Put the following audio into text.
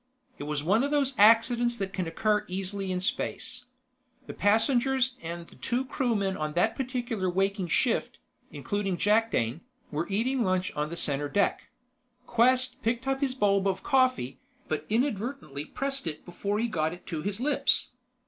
It was one of those accidents that can occur easily in space. The passengers and the two crewmen on that particular waking shift (including Jakdane) were eating lunch on the center deck. Quest picked up his bulb of coffee, but inadvertently pressed it before he got it to his lips.